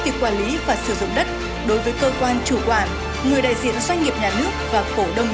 việc quản lý và sử dụng đất đối với cơ quan chủ quản người đại diện doanh nghiệp nhà nước và cổ đông